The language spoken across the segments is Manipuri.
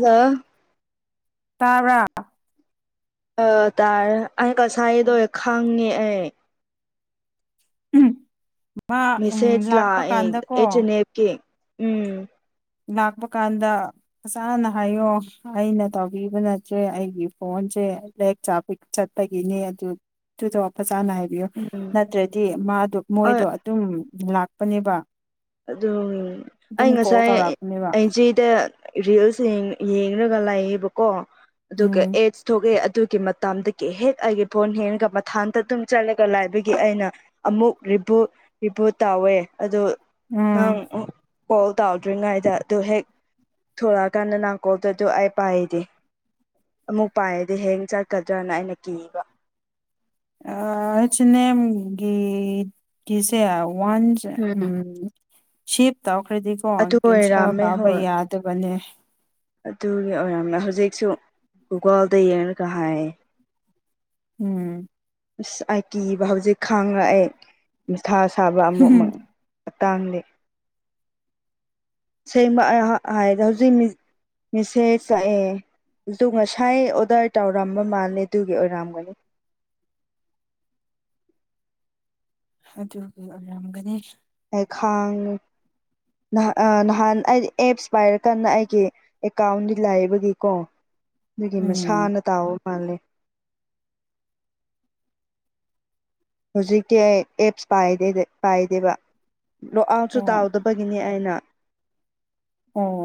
ꯍꯥꯜꯂꯣ ꯇꯕ꯭ꯔꯥ ꯑ ꯇꯥꯔꯦ ꯑꯩ ꯉꯁꯥꯏꯗꯣ ꯈꯪꯉꯦ ꯑꯩ ꯎꯝ ꯃꯥ ꯃꯁꯦꯖ ꯂꯥꯛꯄ ꯂꯛꯑꯦ ꯀꯥꯟꯗꯀꯣ ꯑꯦꯁ ꯑꯦꯅꯦꯞꯀꯤ ꯎꯝ ꯂꯥꯛꯄ ꯀꯥꯟꯗ ꯅꯁꯥꯅ ꯍꯥꯏꯌꯣ ꯑꯩꯅ ꯇꯧꯕꯤꯕ ꯅꯠꯇ꯭ꯔꯦ ꯑꯩꯒꯤ ꯐꯣꯟꯁꯦ ꯂꯦꯛ ꯆꯥꯕꯩ ꯆꯠꯄꯒꯤꯅꯦ ꯑꯗꯨ ꯇꯨꯗ ꯐꯖꯥꯅ ꯍꯥꯏ ꯕꯤꯌꯣ ꯎꯝ ꯅꯠꯇ꯭ꯔꯗꯤ ꯃꯥꯗꯣ ꯍꯣꯏ ꯃꯣꯏꯗꯣ ꯑꯗꯨꯝ ꯂꯥꯛꯄꯅꯦꯕ ꯑꯗꯨ ꯑꯩ ꯑꯗꯨꯝ ꯀꯣꯜ ꯉꯁꯥꯏ ꯇꯧꯔꯛꯄꯅꯦꯕ ꯑꯩꯖꯦꯗ ꯔꯤꯜꯁ ꯌꯦꯡ ꯌꯦꯡꯔꯒ ꯂꯩꯌꯦꯕꯀꯣ ꯑꯗꯨꯒ ꯎꯝ ꯑꯦꯠꯁ ꯊꯣꯛꯑꯦ ꯑꯗꯨꯒꯤ ꯃꯇꯝꯗ ꯀꯦ ꯍꯦꯛ ꯑꯩꯒꯤ ꯐꯣꯟ ꯍꯦꯡꯒ ꯃꯊꯥꯟꯇ ꯑꯗꯨꯝ ꯆꯠꯂꯒ ꯂꯥꯏꯕꯒꯤ ꯑꯩꯅ ꯑꯃꯨꯛ ꯔꯤꯕꯨꯠ ꯔꯤꯕꯨꯨꯠ ꯇꯧꯋꯦ ꯑꯗꯨ ꯅꯪ ꯎꯝ ꯀꯣꯜ ꯇꯧꯗ꯭ꯔꯤꯉꯩꯗ ꯑꯗꯨ ꯍꯦꯛ ꯊꯣꯂꯛꯑꯀꯥꯟꯗ ꯅꯪ ꯀꯣꯜ ꯇꯧꯌꯤꯗꯨ ꯑꯩ ꯄꯥꯏꯗꯦ ꯑꯃꯨꯛ ꯄꯥꯏꯔꯗꯤ ꯍꯦꯡ ꯆꯠꯀꯗ꯭ꯔꯅ ꯑꯩꯅ ꯀꯤꯕ ꯑꯩꯁ ꯑꯅꯦꯝꯒꯤ ꯀꯤꯁꯦ ꯋꯥꯟꯁ ꯎꯝ ꯁꯤꯞ ꯇꯧꯈ꯭ꯔꯗꯤꯀꯣ ꯑꯗꯨ ꯀꯦꯟꯁꯦꯜ ꯑꯣꯏꯔꯝꯃꯦ ꯇꯧꯕ ꯍꯣꯏ ꯌꯥꯗꯕꯅꯦ ꯑꯗꯨꯒꯤ ꯑꯣꯏꯔꯝꯃꯦ ꯍꯧꯖꯤꯛꯁꯨ ꯒꯨꯒꯜꯗ ꯌꯦꯡꯔꯒ ꯍꯥꯏꯌꯦ ꯎꯝ ꯑꯁ ꯑꯩ ꯀꯤꯕ ꯍꯧꯖꯤꯛ ꯈꯥꯡꯔꯛꯑꯦ ꯃꯊꯥ ꯁꯥꯕ ꯑꯃꯨꯛꯃꯛ ꯃꯇꯥꯡꯗꯤ ꯁꯦꯡꯕ ꯑꯩ ꯍꯥ ꯍꯥꯏꯗꯤ ꯍꯧꯖꯤꯛ ꯃꯤꯁꯦꯖ ꯂꯥꯛꯑꯦ ꯑꯗꯨ ꯉꯁꯥꯏ ꯑꯣꯗꯔ ꯇꯧꯔꯝꯕ ꯃꯥꯜꯂꯦ ꯑꯗꯨꯒꯤ ꯑꯣꯏꯔꯝꯒꯅꯤ ꯑꯗꯨꯒꯤ ꯑꯣꯏꯔꯝꯒꯅꯤ ꯑꯩ ꯈꯥꯡ ꯅꯍꯥꯟ ꯑ ꯅꯍꯥꯟ ꯑꯩ ꯑꯦꯞꯁ ꯄꯥꯏꯔꯀꯥꯟꯗ ꯑꯩꯒꯤ ꯑꯦꯀꯥꯎꯟꯗꯤ ꯂꯥꯏꯕꯒꯤꯀꯣ ꯑꯗꯨꯒꯤ ꯎꯝ ꯃꯁꯥꯅ ꯇꯥꯎꯕ ꯃꯥꯜꯂꯦ ꯍꯧꯖꯤꯛꯇꯤ ꯑꯩ ꯑꯦꯞꯁ ꯄꯥꯏꯗꯦꯗ ꯄꯥꯏꯗꯦꯕ ꯂꯣꯛ ꯑꯥꯎꯠꯁꯨ ꯍꯣꯏ ꯇꯥꯎꯗ ꯕꯒꯤꯅꯤ ꯑꯩꯅ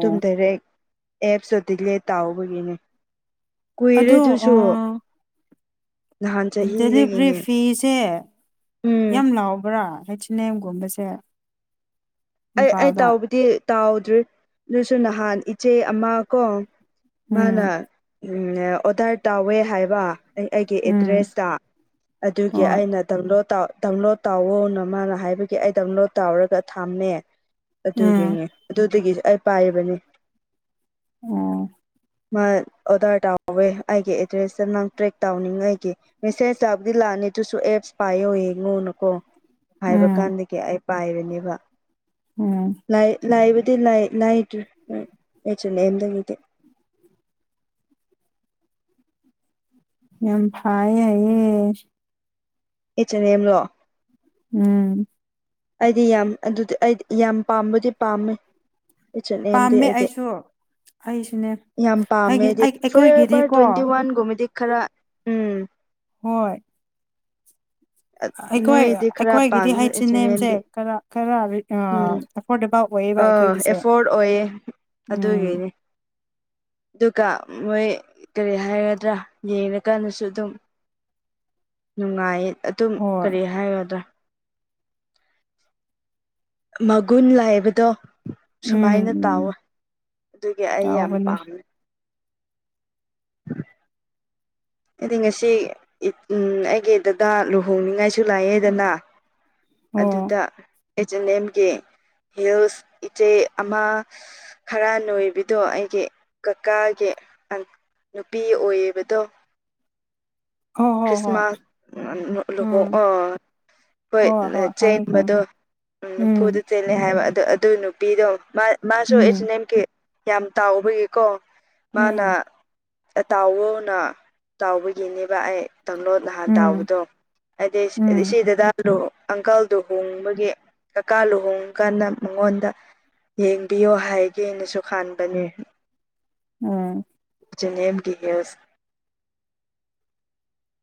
ꯇꯨꯝ ꯗꯔꯦꯛ ꯑꯦꯞꯁꯇꯨ ꯗꯤꯂꯦꯠ ꯇꯥꯎꯕꯒꯤꯅꯦ ꯀꯨꯏꯔꯦ ꯑꯗꯣ ꯑꯗꯨꯁꯨ ꯑꯣꯑ ꯅꯍꯥꯟ ꯗꯦꯂꯤꯚꯔꯤ ꯆꯍꯤꯗꯒꯤꯅꯦ ꯐꯤꯁꯦ ꯎꯝ ꯌꯥꯝ ꯂꯥꯎꯕ꯭ꯔꯥ ꯍꯩꯁ ꯑꯦ ꯅꯦꯝꯒꯨꯝꯕꯁꯦ ꯑꯩ ꯑꯩ ꯇꯥꯎꯕꯨꯗꯤ ꯇꯥꯎꯗ꯭ꯔꯤ ꯑꯗꯨꯁꯨ ꯅꯍꯥꯟ ꯏꯆꯦ ꯑꯃ ꯀꯣ ꯃꯥꯅ ꯎꯝ ꯎꯝꯅꯦ ꯑꯣꯗꯔ ꯇꯧꯋꯦ ꯍꯥꯏꯕ ꯑꯩ ꯑꯩꯒꯤ ꯎꯝ ꯑꯦꯗ꯭ꯔꯦꯁꯇ ꯑꯗꯨꯒꯤ ꯍꯣꯏ ꯑꯩꯅ ꯗꯎꯟꯂꯣꯠ ꯇꯥꯎ ꯗꯥꯎꯟꯂꯣꯠ ꯇꯧꯋꯣ ꯅ ꯃꯥꯅ ꯍꯥꯏꯕꯒꯤ ꯑꯩ ꯗꯥꯎꯟꯂꯣꯠ ꯇꯧꯔꯒ ꯊꯝꯃꯦ ꯎꯝ ꯑꯗꯨꯒꯤꯅꯦ ꯑꯗꯨꯗꯒꯤꯁꯨ ꯑꯩ ꯄꯥꯏꯔꯤꯕꯅꯤ ꯑꯣ ꯃꯥ ꯑꯣꯗꯔ ꯇꯧꯋꯦ ꯑꯩꯒꯤ ꯑꯦꯗ꯭ꯔꯦꯁꯇ ꯅꯪ ꯇ꯭ꯔꯦꯛ ꯇꯧꯅꯤꯡꯉꯥꯏꯒꯤ ꯃꯦꯁꯦꯖ ꯆꯥꯕꯨꯗꯤ ꯂꯥꯛꯑꯅꯤ ꯑꯗꯨꯨꯁꯨ ꯑꯦꯞꯁ ꯄꯥꯏꯌꯣ ꯌꯦꯡꯉꯨꯅꯀꯣ ꯍꯥꯏꯕ ꯎꯝ ꯀꯥꯟꯗꯒꯤ ꯑꯩ ꯄꯥꯏꯕꯅꯦꯕ ꯎꯝ ꯂꯥꯏ ꯂꯥꯏꯕꯨꯗꯤ ꯂꯥꯏ ꯂꯥꯏꯗ꯭ꯔꯤ [unintelligible] ꯑꯦꯝꯗꯒꯤꯗꯤ ꯌꯥꯝ ꯐꯥꯏꯌꯦ ꯍꯥꯏꯌꯦ [unintelligible] ꯎꯝ ꯑꯩꯗꯤ ꯌꯥꯝ ꯑꯗꯨꯗꯤ ꯑꯩꯗꯤ ꯌꯥꯝ ꯄꯥꯝꯕꯗꯤ ꯄꯥꯝꯃꯦ ꯏꯆꯠꯅꯦꯝꯗꯤ ꯄꯥꯝꯃꯦ ꯑꯩꯗꯤ ꯑꯩꯁꯨ ꯑꯩꯁꯨꯅꯦ ꯌꯥꯝ ꯍꯥꯏꯗꯤ ꯄꯥꯝꯃꯦꯗꯤ ꯐꯣꯔꯑꯦꯕꯔ ꯑꯩꯈꯣꯏꯒꯤꯗꯤꯀꯣ ꯇ꯭ꯋꯦꯟꯇꯤ ꯋꯥꯟꯒꯨꯝꯕꯗꯤ ꯈꯔ ꯎꯝ ꯍꯣꯏ ꯑꯩꯈꯣꯏ ꯃꯣꯏꯗꯤ ꯈꯔ ꯄꯥꯝ ꯑꯩꯈꯣꯏꯒꯤꯗꯤ ꯑꯦꯆ ꯑꯦꯟ ꯍꯩꯁꯁꯤꯅꯦꯝ ꯁꯦ ꯑꯦꯝꯗꯤ ꯀꯔꯥꯀꯥꯔ ꯎꯝ ꯑꯥ ꯑꯦꯐꯣꯔꯠ ꯑꯣꯏꯌꯦ ꯎꯝ ꯑꯗꯨꯒꯤꯅꯦ ꯑꯗꯨꯒ ꯃꯣꯏ ꯀꯔꯤ ꯍꯥꯏꯒꯗ꯭ꯔꯥ ꯌꯦꯡꯉꯀꯥꯟꯗꯁꯨ ꯑꯗꯨꯝ [inaudible] ꯅꯨꯡꯉꯥꯏꯌꯦ ꯑꯗꯨꯝ ꯍꯣꯏ ꯀꯔꯤ ꯍꯥꯏꯒꯗ꯭ꯔꯥ ꯃꯒꯨꯟ ꯂꯥꯏꯕꯗꯣ ꯎꯝ ꯁꯨꯃꯥꯏꯅ ꯇꯥꯎꯋꯦ ꯎꯝ ꯑꯗꯨꯒꯤ ꯑꯩ ꯌꯥꯝ ꯇꯧꯕꯅꯦ ꯄꯥꯝꯃꯦ [inaudible] ꯑꯩꯗꯤ ꯉꯁꯤ ꯑꯩꯒꯤ ꯗꯥꯗꯥ ꯂꯨꯍꯣꯡꯅꯤꯡꯉꯥꯏꯁꯨ ꯂꯥꯛꯑꯦꯗꯅ ꯑꯣ ꯑꯗꯨꯗ ꯑꯦꯖ ꯑꯦꯟ ꯑꯦꯝꯒꯤ ꯍꯤꯜꯁ ꯏꯆꯦ ꯑꯃ ꯈꯔ ꯅꯣꯏꯕꯤꯗꯣ ꯑꯩꯒꯤ ꯀꯀꯥꯒꯤ ꯅꯨꯄꯤ ꯑꯣꯏꯌꯦꯕꯗꯣ ꯍꯣꯏ ꯍꯣꯏ ꯍꯣꯏ ꯈ꯭ꯔꯤꯁꯃꯥꯁ ꯂꯨꯍꯣꯡ ꯎꯝ ꯑꯥ ꯍꯣꯏ ꯆꯦꯟꯕꯗꯣ ꯎꯝ ꯅꯝꯐꯨꯗ ꯈꯪꯉꯦ ꯆꯦꯜꯂꯦ ꯍꯥꯏꯕ ꯑꯗꯨ ꯑꯗꯨ ꯅꯨꯄꯤꯗꯣ ꯃꯥ ꯃꯥꯁꯨ ꯑꯩꯖ ꯎꯝ ꯑꯦ ꯑꯦꯝ ꯀꯤ ꯌꯥꯝ ꯇꯥꯎꯕꯒꯤꯀꯣ ꯃꯥꯅ ꯎꯝ ꯑꯥꯇꯥꯎꯋꫭꯅ ꯇꯥꯎꯕꯒꯤꯅꯦꯕ ꯑꯩ ꯇꯂꯣꯟ ꯅꯍꯥꯟ ꯎꯝ ꯇꯥꯎꯕꯗꯣ ꯍꯥꯏꯗꯤ ꯎꯝ ꯏꯆꯦꯗꯗ ꯂꯨ ꯑꯪꯀꯜ ꯂꯨꯍꯣꯡꯕꯒꯤ ꯀꯀꯥ ꯂꯨꯍꯣꯡꯕ ꯀꯥꯟꯗ ꯃꯉꯣꯟꯗ ꯌꯦꯡꯕꯤꯌꯣ ꯍꯥꯏꯒꯦꯅꯁꯨ ꯈꯥꯟꯕꯅꯦ ꯑꯣ ꯆꯦꯅꯦꯝꯒꯤ ꯍꯦꯁ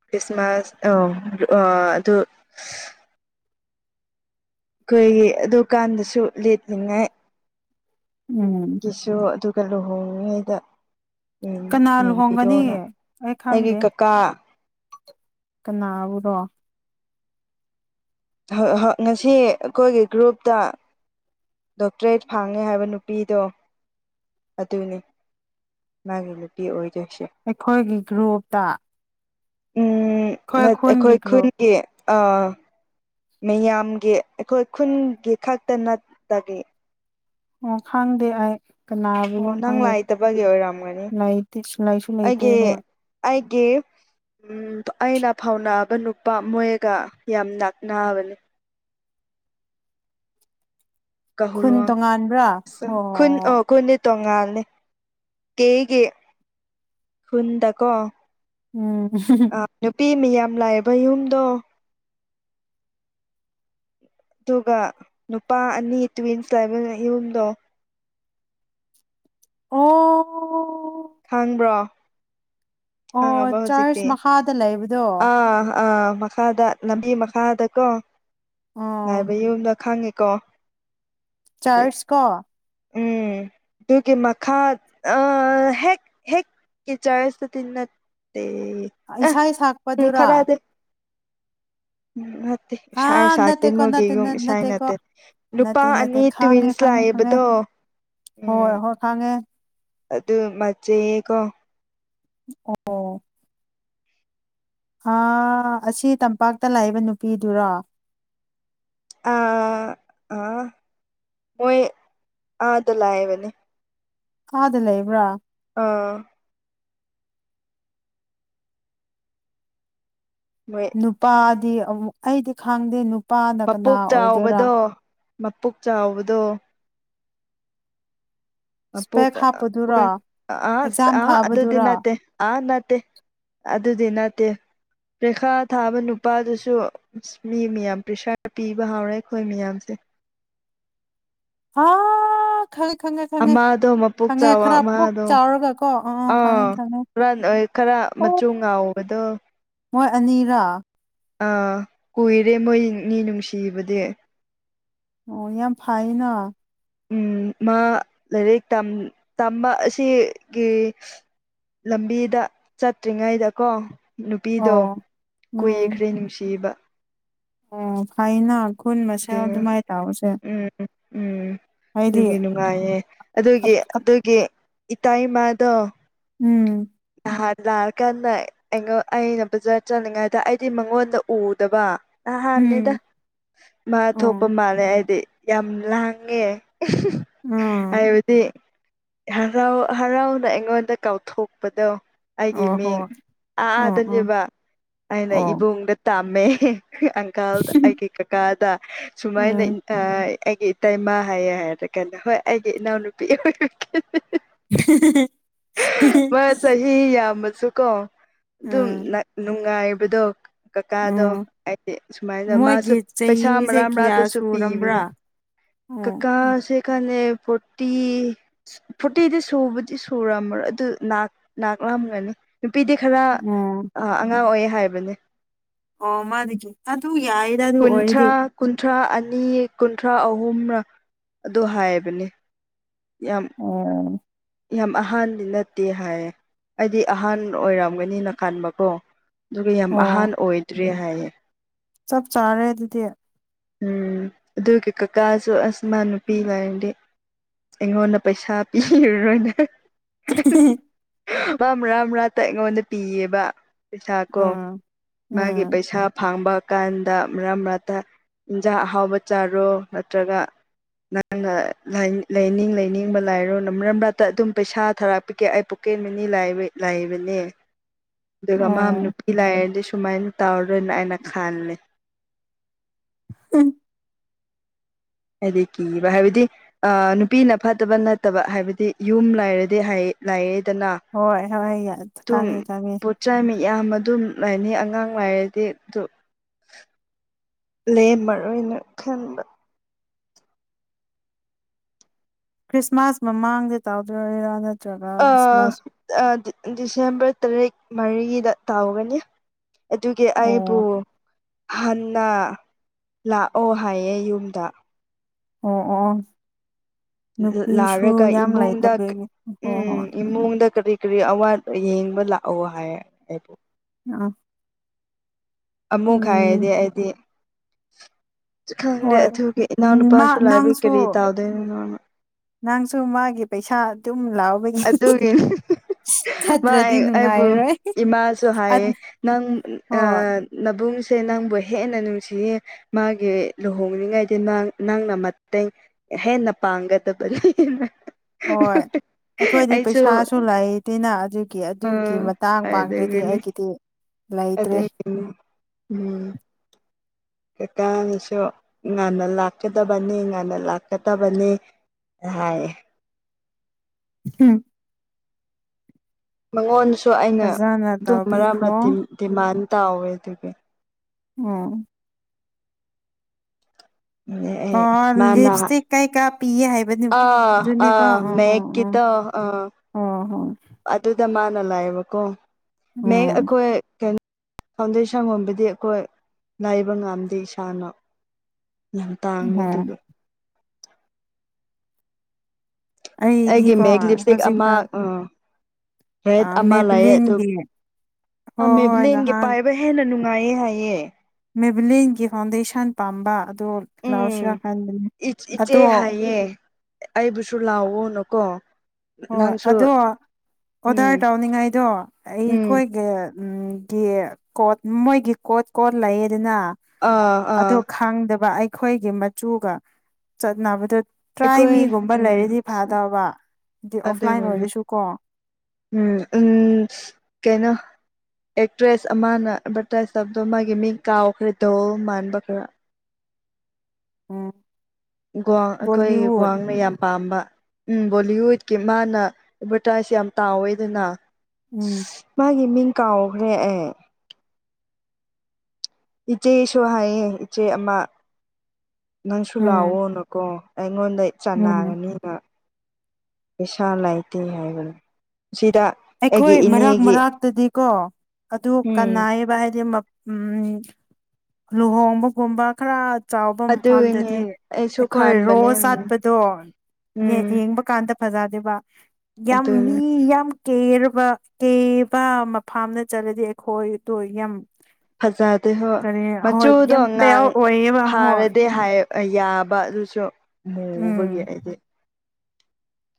ꯈ꯭ꯔꯤꯁꯃꯥꯁ ꯑꯣ ꯑꯥ ꯑꯗꯨ ꯑꯩꯈꯣꯏꯒꯤ ꯑꯥꯗꯨꯀꯥꯟꯗꯁꯨ ꯂꯦꯠꯂꯤꯉꯥꯏ [unintelligible] ꯀꯤꯁꯨ ꯑꯗꯨꯒ ꯂꯨꯍꯣꯡꯉꯤꯉꯩꯗ ꯌꯦ ꯀꯅꯥ ꯂꯨꯍꯣꯡꯒꯅꯤ ꯌꯦꯡꯕꯤꯌꯣꯅ ꯑꯩ ꯑꯩꯒꯤ ꯈꯪꯗꯦ ꯀꯀꯥ ꯀꯅꯥꯕꯨꯔꯣ [unintelligible] ꯉꯁꯤ ꯑꯩꯈꯣꯏꯒꯤ ꯒ꯭ꯔꯨꯞꯇ ꯗꯣꯛꯇꯔꯦꯠ ꯐꯥꯡꯉꯦ ꯍꯥꯏꯕ ꯅꯨꯄꯤꯗꯣ ꯑꯗꯨꯅꯤ ꯃꯥꯒꯤ ꯅꯨꯄꯤ ꯑꯣꯏꯗꯣꯏꯁꯦ ꯑꯩꯈꯣꯏꯒꯤ ꯒ꯭ꯔꯨꯞꯇ ꯎꯝ ꯑꯩꯈꯣꯏ ꯅꯣꯢ ꯈꯨꯟꯒꯤ ꯑꯩꯈꯣꯏ ꯒ꯭ꯔꯨꯞ ꯈꯨꯟꯒꯤ ꯑꯥ ꯃꯤꯌꯥꯝꯒꯤ ꯑꯩꯈꯣꯏ ꯈꯨꯟꯒꯤ ꯈꯛꯇ ꯅꯠꯇꯒꯤ ꯑꯣ ꯈꯪꯗꯦ ꯑꯩ ꯀꯅꯥꯕꯨꯔꯣ ꯑꯣ ꯅꯪ ꯈꯪꯗꯦ ꯂꯥꯏꯇꯕꯒꯤ ꯑꯣꯏꯔꯝꯒꯅꯤ ꯂꯥꯏꯁꯨ ꯂꯩꯇꯦ ꯑꯩꯒꯤ ꯍꯣꯏ ꯑꯩꯒꯤ ꯎꯝ ꯑꯩꯅ ꯐꯥꯎꯅꯥꯕ ꯅꯨꯄꯥ ꯃꯣꯏꯒ ꯌꯥꯝ ꯅꯛꯅꯕꯅꯤ ꯈꯨꯟ ꯇꯣꯉꯥꯟꯕ꯭ꯔꯥ [unintelligible] ꯍꯣꯏ [unintelligible] ꯈꯨꯟ ꯍꯣꯏ ꯑꯥ ꯈꯨꯟ ꯇꯣꯡꯉꯜꯂꯦ ꯇꯦꯒꯤ ꯈꯨꯟꯗꯀꯣ ꯎꯝ ꯅꯨꯄꯤ ꯃꯤ ꯌꯥꯝ ꯂꯩꯕ ꯌꯨꯝꯗꯣ ꯑꯗꯨꯒ ꯅꯨꯄꯥ ꯑꯅꯤ ꯇ꯭ꯋꯤꯟꯁ ꯂꯩꯕ ꯌꯨꯝꯗꯣ ꯑꯣ ꯈꯪꯕ꯭ꯔꯣ ꯈꯪꯉꯕꯣ ꯑꯣ ꯆꯔꯆ ꯍꯧꯖꯤꯛꯇꯤ ꯃꯈꯥꯗ ꯂꯩꯕꯗꯣ ꯑꯥ ꯑꯥ ꯃꯈꯥꯗ ꯂꯝꯕꯤ ꯃꯈꯥꯗꯀꯣ ꯑꯣ ꯂꯥꯏꯕ ꯌꯨꯝꯗꯣ ꯈꯪꯉꯤ ꯀꯣ ꯆꯔꯁ ꯀꯣ [inaudible] ꯗꯨꯒꯤ ꯃꯈꯥ ꯑꯥ ꯍꯦꯛ ꯍꯦꯛꯀꯤ ꯆꯔꯁꯇꯨꯗꯤ ꯅꯠ ꯑꯦ ꯏꯁꯩ ꯁꯛꯄꯗꯨꯔꯣ ꯅꯠꯇꯦ ꯏꯁꯩ ꯑꯥ ꯁꯛꯇꯦ ꯅꯠꯇꯦꯀꯣ ꯃꯣꯏꯒꯤ ꯅꯠꯇꯦ ꯌꯨꯝ ꯏꯁꯩ ꯅꯠꯇꯦꯀꯣ ꯅꯠꯇꯦ ꯅꯨꯄꯥ ꯅꯠꯇꯦ ꯅꯠꯇꯦ ꯑꯅꯤ ꯈꯥꯡꯉꯦ ꯇ꯭ꯋꯤꯟꯁ ꯈꯥꯡꯉꯦ ꯈꯪꯉꯦ ꯂꯩꯕꯗꯣ ꯍꯣꯏ ꯍꯣꯏ ꯈꯪꯉꯦ ꯑꯗꯨ ꯃꯆꯦꯀꯣ ꯑꯣ ꯑ ꯑꯁꯤ ꯇꯝꯄꯥꯛꯇ ꯂꯩꯕ ꯅꯨꯄꯤꯗꯨꯔꯣ ꯑꯥ ꯑꯥ ꯃꯣꯏ ꯑꯥꯗ ꯂꯩꯕꯅꯤ ꯏꯝꯐꯥꯜꯗ ꯂꯩꯕ꯭ꯔꯥ ꯑꯥ ꯃꯣꯏ ꯅꯨꯄꯥꯗꯤ ꯑꯃꯨꯛ ꯑꯩꯗꯤ ꯈꯪꯗꯦ ꯅꯨ ꯃꯄꯨꯛ ꯆꯥꯎꯕꯗꯣ ꯃꯄꯨꯛ ꯆꯥꯎꯕꯗꯣ ꯃꯄꯨꯛ ꯏꯁꯄꯦꯛ ꯑꯥ ꯍꯥꯞꯄꯗꯨꯔꯣ ꯑꯥꯁ ꯑꯦꯛꯖꯥꯝ ꯑꯥ ꯑꯗꯨꯗꯤ ꯊꯥꯕꯗꯨꯔꯣ ꯅꯠꯇꯦ ꯑꯥ ꯅꯠꯇꯦ ꯑꯗꯨꯗꯤ ꯅꯠꯇꯦ ꯄ꯭ꯔꯈꯥ ꯊꯥꯕ ꯅꯨꯄꯥꯗꯨꯁꯨ ꯃꯤ ꯃꯌꯥꯝ ꯄ꯭ꯔꯦꯁꯥꯔ ꯄꯤꯕ ꯍꯧꯔꯦ ꯑꯩꯈꯣꯏ ꯃꯌꯥꯝꯁꯦ ꯑꯥ ꯈꯪꯉꯦ ꯈꯪꯉꯦ ꯈꯪꯉꯦ ꯑꯃꯗꯣ ꯃꯄꯨꯛ ꯈꯪꯉꯦ ꯆꯥꯎꯕ ꯈꯔ ꯄꯨꯛ ꯑꯃꯗꯣ ꯆꯥꯎꯔꯒ ꯀꯣ ꯑ ꯑ ꯈꯪꯉꯦ ꯑꯥ ꯈꯪꯉꯦ ꯔꯟ ꯑꯣꯏ ꯈꯔ ꯑꯣ ꯃꯆꯨ ꯉꯥꯎꯕꯗꯣ ꯃꯣꯏ ꯑꯅꯤꯔꯥ ꯑꯥ ꯀꯨꯏꯔꯦ ꯃꯣꯏꯅꯤ ꯅꯨꯡꯁꯤꯕꯗꯤ ꯑꯣ ꯌꯥꯝ ꯐꯥꯏꯅ ꯎꯝ ꯃꯥ ꯂꯥꯏꯔꯤꯛ ꯇꯝ ꯇꯝꯕ ꯑꯁꯤꯒꯤ ꯂꯝꯕꯤꯗ ꯆꯠꯇ꯭ꯔꯤꯉꯩꯗꯀꯣ ꯅꯨꯄꯤꯗꯣ ꯑꯣ ꯎꯝ ꯀꯨꯏꯈ꯭ꯔꯦ ꯅꯨꯡꯁꯤꯕ ꯑꯣ ꯐꯩꯅ ꯈꯨꯟ ꯃꯁꯦꯜ ꯎꯝ ꯑꯗꯨꯃꯥꯏ ꯇꯧꯕꯁꯦ ꯎꯝ ꯍꯥꯏꯗꯤ ꯗꯨꯒꯤ ꯅꯨꯡꯉꯥꯏꯌꯦ ꯑꯗꯨꯒꯤ ꯑꯞ ꯑꯞ ꯑꯗꯨꯒꯤ ꯏꯇꯩ ꯃꯥꯗꯣ ꯎꯝ ꯅꯍꯥꯟ ꯂꯥꯛꯑꯀꯥꯟꯗ ꯑꯩꯉꯣ ꯑꯩꯅ ꯕꯖꯥꯔ ꯆꯠꯂꯤꯉꯥꯏꯗ ꯑꯩꯗꯤ ꯃꯉꯣꯟꯗ ꯎꯗꯕ ꯅꯍꯥꯟꯅꯤꯗ ꯎꯝ ꯃꯥ ꯊꯣꯛꯄ ꯑꯣ ꯃꯥꯜꯂꯦ ꯑꯩꯗꯤ ꯌꯥꯝ ꯂꯥꯡꯉꯦ ꯎꯝ ꯍꯥꯏꯕꯗꯤ ꯍꯔꯥꯎ ꯍꯔꯥꯎꯅ ꯑꯩꯉꯣꯟꯗ ꯀꯧꯊꯣꯛꯄꯗꯣ ꯑꯩꯒꯤ ꯑꯣ ꯃꯤꯡ ꯍꯣꯏ ꯑꯣ ꯑꯣ ꯑꯥꯗꯅꯦꯕ ꯑꯩꯅ ꯑꯣ ꯏꯕꯨꯡꯗ ꯇꯥꯝꯃꯦ ꯑꯪꯀꯜꯗ ꯑꯩꯒꯤ ꯀꯀꯥꯗ ꯁꯨꯃꯥꯏꯅ ꯎꯝ ꯑ ꯑꯩꯒꯤ ꯏꯇꯩꯃꯥ ꯍꯥꯏꯌꯦ ꯍꯥꯏꯔ ꯀꯥꯟꯗ ꯍꯣꯏ ꯑꯩꯒꯤ ꯏꯅꯥꯎꯅꯨꯄꯤ [unintelligible] ꯃꯥ ꯆꯍꯤ ꯌꯥꯝꯃꯁꯨ ꯀꯣ ꯑꯗꯨꯝ ꯎꯝ ꯅ ꯅꯨꯡꯉꯥꯏꯕꯗꯣ ꯀꯀꯥꯗꯣ ꯎꯝ ꯑꯥꯏꯗꯤ ꯁꯨꯃꯥꯏꯅ ꯃꯥꯁꯨ ꯃꯣꯏꯒꯤ ꯄꯩꯁꯥ ꯆꯍꯤꯁꯦ ꯃꯔꯥ ꯀꯌꯥ ꯃꯔꯥꯇꯁꯨ ꯄꯤꯕꯅꯦ ꯁꯨꯔꯕ꯭ꯔꯥ ꯑꯣ ꯁꯤ ꯈꯟꯅꯦ ꯐꯣꯔꯇꯤ ꯐꯣꯇꯤꯗꯤ ꯁꯨꯕꯗꯤ ꯁꯨ ꯁꯨꯔꯝꯃꯔꯣ ꯑꯗꯨ ꯅꯥꯛ ꯅꯥꯥꯛꯂꯝꯒꯅꯤ ꯅꯨꯄꯤꯗꯤ ꯈꯔ ꯎꯝ ꯑꯥ ꯑꯉꯥꯡ ꯑꯣꯏꯌꯦ ꯍꯥꯏꯕꯅꯦ ꯑꯣ ꯃꯥꯗꯤ ꯑꯗꯨ ꯌꯥꯏ ꯀꯨꯟꯊ꯭ꯔꯥ ꯀꯨꯟꯊ꯭ꯔꯥ ꯑꯅꯤ ꯀꯨꯟꯊ꯭ꯔꯥ ꯑꯍꯨꯝꯔ ꯑꯗꯨ ꯍꯥꯏꯕꯅꯦ ꯌꯥꯝ ꯑꯣ ꯌꯥꯝ ꯑꯍꯟꯗꯤ ꯅꯠꯇꯦ ꯍꯥꯏꯌꯦ ꯑꯩꯗꯤ ꯑꯍꯟ ꯑꯣꯏꯔꯝꯒꯅꯤꯅ ꯀꯟꯕꯀꯣ ꯑꯗꯨꯒ ꯌꯥꯝ ꯑꯍꯥꯟ ꯑꯣ ꯑꯣꯏꯗ꯭ꯔꯦ ꯍꯥꯏꯌꯦ ꯆꯞ ꯆꯥꯔꯦ ꯑꯗꯨꯗꯤ ꯎꯝ ꯑꯗꯨꯒꯤ ꯀꯥ ꯀꯥꯖꯨ ꯑꯁ ꯃꯥ ꯅꯨꯄꯤ ꯂꯩꯔꯗꯤ ꯑꯩꯉꯣꯟꯗ ꯄꯩꯁꯥ ꯄꯤꯔꯔꯣꯏꯅꯦ ꯃꯥ ꯃꯔꯥꯛ ꯃꯔꯥꯛꯇ ꯇ ꯑꯩꯉꯣꯟꯗ ꯄꯤꯌꯦꯕ ꯄꯩꯁꯥ ꯀꯣ ꯎꯝ ꯃꯥꯒꯤ ꯎꯝ ꯄꯩꯁꯥ ꯐꯪꯕ ꯀꯥꯟꯗ ꯃꯔꯥ ꯃꯔꯛꯇ ꯏꯟꯖꯥꯡ ꯑꯍꯥꯎꯕ ꯆꯥꯔꯣ ꯅꯠꯇ꯭ꯔꯒ ꯅꯪꯅ ꯂꯥꯏꯅꯤꯡ ꯂꯩꯅꯤꯡ ꯂꯩꯅꯤꯡꯕ ꯂꯥꯏꯔꯣꯅ ꯃꯔꯠ ꯃꯔꯠ ꯇ ꯑꯗꯨꯝ ꯄꯩꯁꯥ ꯊꯥꯔꯛꯄꯤꯒꯦ ꯑꯩ ꯄꯣꯀꯦꯠ ꯃꯅꯤ ꯂꯩꯕ ꯂꯩꯕꯅꯦ ꯑꯗꯨꯒ ꯃꯥ ꯑꯣ ꯅꯨꯄꯤ ꯂꯥꯏꯔꯗꯤ ꯁꯨꯃꯥꯏꯅ ꯇꯧꯔꯣꯏꯅ ꯑꯩꯅ ꯈꯜꯂꯦ ꯎꯝ ꯑꯩꯗꯤ ꯀꯤꯕ ꯍꯥꯏꯕꯗꯤ ꯑ ꯅꯨꯄꯤꯅ ꯐꯠꯇꯕ ꯅꯠꯇꯕ ꯍꯥꯏꯕꯗꯤ ꯌꯨꯝ ꯂꯥꯏꯔꯗꯤ ꯍꯥꯏꯌꯦ ꯂꯥꯏꯔꯦꯗꯅ ꯍꯣꯏ [unintelligible] ꯈꯪꯉꯦ ꯈꯪꯉꯦ ꯆ ꯃꯤ ꯌꯥꯝ ꯑꯗꯨꯝ ꯂꯩꯅꯤ ꯑꯉꯥꯡ ꯂꯩꯥꯏꯔꯗꯤ ꯗꯨ ꯂꯦꯝꯃꯔꯣꯅ ꯈꯟꯕ ꯈ꯭ꯔꯤꯁꯃꯥꯁ ꯃꯃꯥꯡꯗ ꯇꯥꯎꯗꯣꯏꯔꯥ ꯅꯠꯇ꯭ꯔꯒ ꯈ꯭ꯔꯤꯁꯃꯥꯁ ꯑ ꯗꯤ ꯗꯤꯁꯦꯝꯕꯔ ꯇꯔꯤꯛ ꯃꯔꯤꯗ ꯇꯥꯎꯒꯅꯤ ꯑꯗꯨꯒꯤ ꯑꯩꯕꯨ ꯑꯣ ꯍꯟꯅ ꯂꯥꯛꯑꯣ ꯍꯥꯏꯌꯦ ꯌꯨꯝꯗ ꯑꯣ ꯑꯣ ꯅꯨꯄꯤꯁꯨ ꯂꯥꯛꯔꯒ ꯌꯥꯝ ꯏꯃꯨꯡꯗ ꯂꯩꯇꯕꯒꯤ ꯍꯣ ꯎꯝ ꯍꯣꯏ ꯏꯃꯨꯡꯗ ꯀꯔꯤ ꯀꯔꯤ ꯑꯋꯥꯠ ꯌꯦꯡꯕ ꯂꯥꯛꯑꯣ ꯍꯥꯏꯌꯦ ꯑꯩꯕꯨ ꯎꯝ ꯑꯃꯨꯛ ꯈꯥꯏꯌꯦꯗꯤ ꯑꯩꯗꯤ ꯆꯈꯪꯗꯦ ꯍꯣꯏ ꯑꯗꯨꯒꯤ ꯎꯝ ꯃꯥ ꯏꯅꯥꯎꯅꯨꯄꯥꯁꯨ ꯂꯥꯏꯕꯒꯤ ꯅꯪꯁꯨ ꯀꯔꯤ ꯇꯧꯗꯣꯏꯅꯣꯃꯥ ꯅꯪꯁꯨ ꯃꯥꯒꯤ ꯄꯩꯁꯥ ꯑꯗꯨꯝ ꯂꯥꯎꯕꯒꯤ ꯑꯗꯨꯒꯤ ꯃꯥ ꯆꯠꯇ꯭ꯔꯗꯤ ꯑꯩ ꯑꯩꯕꯨ ꯅꯨꯡꯉꯥꯏꯔꯣꯏ ꯏꯃꯥꯁꯨ ꯍꯥꯏꯌꯦ ꯅꯪ ꯑ ꯍꯣꯏ ꯅꯕꯨꯡꯁꯦ ꯅꯪꯕꯨ ꯍꯦꯟꯅ ꯅꯨꯡꯁꯤꯌꯦ ꯃꯥꯒꯤ ꯂꯨꯍꯣꯡꯅꯤꯡꯉꯥꯏꯗꯤ ꯅꯪ ꯅꯪꯅ ꯃꯇꯦꯡ ꯍꯦꯟꯅ ꯄꯥꯡꯒꯗꯕꯅꯤꯅ ꯍꯣꯏ ꯑꯩꯈꯣꯏꯗꯤ ꯑꯩꯁꯨ ꯄꯩꯁꯥꯁꯨ ꯂꯩꯇꯦꯅ ꯑꯗꯨꯒꯤ ꯑ ꯑꯗꯨꯒꯤ ꯃꯇꯥꯡ ꯄꯥꯡꯗ꯭ꯔꯗꯤ ꯑꯩꯒꯤꯗꯤ ꯂꯩꯇ꯭ꯔꯦ ꯎꯝ ꯎꯝ ꯀꯥꯀꯥꯅꯁꯨ ꯉꯟꯅ ꯂꯥꯛꯀꯗꯕꯅꯤ ꯉꯟꯅ ꯂꯥꯛꯀꯗꯕꯅꯤ ꯍꯥꯏꯌꯦ ꯎꯝ ꯃꯉꯣꯟꯗꯁꯨ ꯑꯩꯅ ꯐꯖꯅ ꯑꯗꯨꯝ ꯃꯔꯛ ꯑꯃ ꯇꯧꯕꯤꯈ꯭ꯔꯣ ꯗꯤꯝ ꯗꯤꯃꯥꯟ ꯇꯧꯋꯦ ꯑꯗꯨꯒꯤ ꯑꯣ ꯑꯩ ꯑꯣ ꯃꯥꯅ ꯂꯤꯞꯁꯇꯤꯛ ꯀꯩꯀꯥ ꯄꯤꯌꯦ ꯍꯥꯏꯞ ꯑꯥ ꯑꯥ ꯑꯣ ꯃꯦꯛꯀꯤꯇꯣ ꯑꯥ ꯑꯣ ꯍꯣ ꯑꯗꯨꯗ ꯃꯥꯅ ꯂꯥꯛꯑꯦꯕꯀꯣ ꯃꯦꯛ ꯎꯝ ꯑꯩꯈꯣꯏ ꯀꯩꯟ ꯐꯥꯎꯟꯗꯦꯁꯟꯒꯨꯝꯕꯗꯤ ꯑꯩꯈꯣꯏ ꯂꯥꯏꯕ ꯉꯝꯗꯦ ꯏꯁꯥꯅ ꯌꯥꯝ ꯇꯥꯡꯉꯦ ꯎꯝ ꯑꯗꯨꯒ ꯑꯩꯒꯤ ꯑꯩꯗꯤꯀꯣ ꯃꯦꯛ ꯂꯤꯞꯁꯇꯤꯛ ꯑꯃ ꯍꯧꯖꯤꯛꯀꯥꯟ ꯎꯝ ꯔꯦꯠ ꯑꯃ ꯂꯩꯌꯦ ꯑꯗꯨ ꯃꯦꯕꯂꯤꯟꯒꯤ ꯑ ꯍꯣꯏ ꯍꯣꯏ ꯃꯦꯕꯤꯂꯤꯟꯒꯤ ꯅꯍꯥꯟ ꯄꯥꯏꯞ ꯕ ꯍꯦꯟꯅ ꯅꯨꯡꯉꯥꯏꯌꯦ ꯍꯥꯏꯌꯦ ꯃꯦꯕꯤꯂꯤꯟꯒꯤ ꯐꯥꯎꯟꯗꯦꯁꯟ ꯄꯥꯝꯕ ꯑꯗꯨ ꯂꯥꯎꯁꯤꯔꯥ ꯈꯟꯕꯅꯦ ꯏꯆ ꯏꯆꯦ ꯑꯗꯣ ꯍꯥꯏꯌꯦ ꯑꯩꯕꯨꯁꯨ ꯂꯥꯎꯑꯣꯅꯀꯣ ꯍꯣꯏ ꯅꯪꯁꯨ ꯑꯗꯣ ꯑꯣꯗꯔ ꯎꯝ ꯇꯧꯅꯤꯡꯉꯥꯏꯗꯣ ꯎꯝ ꯑꯩꯈꯣꯏꯒ ꯎꯝ ꯒꯤ ꯀꯣꯠ ꯃꯣꯏꯒꯤ ꯀꯣꯠ ꯀꯣꯠ ꯂꯩꯌꯦꯗꯅ ꯑꯥ ꯑꯥ ꯑꯗꯣ ꯈꯪꯗꯕ ꯑꯩꯈꯣꯏꯒꯤ ꯃꯆꯨꯒ ꯆꯠꯅꯕꯗꯨꯠ ꯇ꯭ꯔꯥꯏ ꯑꯩꯈꯣꯏ ꯃꯤ ꯒꯨꯝꯕ ꯎꯝ ꯂꯩꯔꯗꯤ ꯐꯗꯧꯕ ꯍꯥꯏꯗꯤ ꯑꯗꯨꯏ ꯑꯣꯐꯂꯥꯏꯟ ꯑꯣꯏꯅ ꯑꯣꯏꯔꯁꯨ ꯀꯣ ꯎꯝ ꯎꯝ ꯀꯩꯅꯣ ꯑꯦꯛꯇ꯭ꯔꯦꯁ ꯑꯃꯅ ꯑꯦꯗꯚꯔꯇꯥꯏꯁ ꯇꯧꯕꯗꯣ ꯃꯥꯒꯤ ꯃꯤꯡ ꯀꯥꯎꯈ꯭ꯔꯦ ꯙꯣꯜ ꯃꯥꯟꯕ ꯈꯔ ꯎꯝ ꯭ꯒꯋꯥꯡ ꯑꯩꯈꯣꯏꯒꯤ ꯕꯣꯂꯤꯋꯨꯠ ꯒ꯭ꯋꯥꯡ ꯃꯌꯥꯝ ꯄꯥꯝꯕ ꯎꯝ ꯕꯣꯂꯤꯋꯨꯗꯀꯤ ꯃꯥꯅ ꯑꯦꯗꯚꯔꯇꯥꯏꯁ ꯌꯥꯝ ꯇꯥꯎꯋꯦꯗꯅ ꯎꯝ ꯃꯥꯒꯤ ꯃꯤꯡ ꯀꯥꯎꯈ꯭ꯔꯦ ꯑꯦ ꯏꯆꯦꯁꯨ ꯍꯥꯏꯌꯦ ꯏꯆꯦ ꯑꯃ ꯅꯪꯁꯨ ꯎꯝ ꯂꯥꯛꯑꯣꯅꯀꯣ ꯑꯩꯉꯣꯟꯗꯩ ꯎꯝ ꯆꯥꯟꯅꯔꯅꯦꯕ ꯄꯩꯁꯥ ꯂꯥꯏꯇꯦ ꯍꯥꯏꯕꯗꯣ ꯁꯤꯗ ꯑꯩꯒꯤ ꯑꯩꯈꯣꯏ ꯃꯔꯛ ꯏꯅꯦꯒꯤ ꯃꯔꯛꯇꯗꯤꯀꯣ ꯑꯗꯨ ꯎꯝ ꯀꯅꯩꯌꯦꯕ ꯍꯥꯏꯗꯤ ꯃꯠ ꯎꯝ ꯂꯨꯍꯣꯡꯕꯒꯨꯝꯕ ꯈꯔ ꯆꯥꯎꯕ ꯑꯗꯨꯒꯤꯅꯦ ꯃꯐꯝꯗꯗꯤ ꯑꯩꯁꯨ ꯑꯩꯈꯣꯏ ꯈꯥꯟꯕꯅꯦ ꯔꯣꯁ ꯆꯠꯄꯗꯣ ꯌꯦꯡ ꯎꯝ ꯌꯦꯡꯕ ꯀꯥꯟꯗ ꯐꯖꯗꯦꯕ ꯌꯥꯝ ꯃꯤ ꯑꯗꯨꯅꯤ ꯌꯥꯝ ꯀꯦꯔꯕ ꯀꯦꯕ ꯃꯐꯝꯗ ꯆꯠꯂꯗꯤ ꯑꯩꯈꯣꯏꯗꯣ ꯌꯥꯝ ꯐꯖꯗꯦ ꯍꯣ ꯀꯔꯤ ꯍꯣꯏ ꯃꯆꯨꯗꯣ ꯌꯥꯝ ꯄꯦꯜ ꯉꯥꯡ ꯑꯣꯏꯌꯦꯕ ꯍꯣꯏ ꯐꯥꯔꯗꯤ [unintelligible] ꯌꯥꯕ ꯑꯗꯨꯁꯨ ꯎꯝ ꯃꯨꯕꯒꯤ ꯍꯥꯏꯗꯤ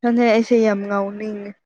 ꯐꯅ ꯑꯩꯁꯦ ꯌꯥꯝ ꯉꯥꯎꯅꯤꯡꯉ